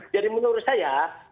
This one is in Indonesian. jadi menurut saya